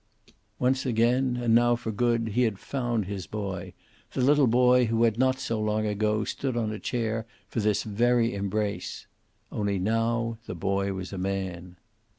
Once again, and now for good, he had found his boy, the little boy who had not so long ago stood on a chair for this very embrace. Only now the boy was a man.